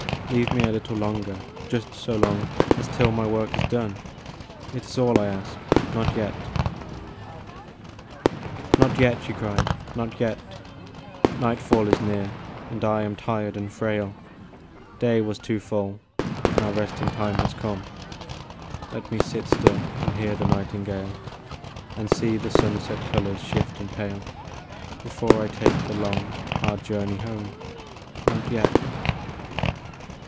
Leave me a little longer, just so long As till my work is done, t is all I ask. Not yet !" Not yet," she cried, " not yet ! Nightfall is near, and I am tired and frail ; Day was too full, now resting time has come. 226 NOT YET. Let me sit still and hear the nightingale, And see the sunset colors shift and pale, Before I take the long, hard journey home. Not yet